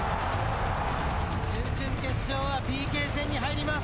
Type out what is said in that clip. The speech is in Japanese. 準々決勝はＰＫ戦に入ります。